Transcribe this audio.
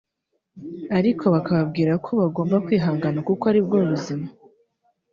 ariko bakababwira ko bagomba kwihangana kuko aribwo buzima